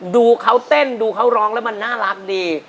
ดูเขาเต้นดูเขาร้องแล้วมันน่ารักดี